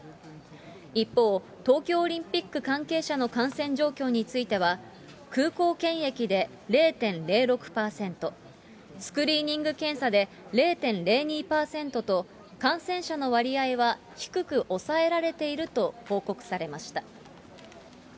一方、東京オリンピック関係者の感染状況については、空港検疫で０．０６％、スクリーニング検査で０．０２％と、感染者の割合は低く抑えられていると報告されました。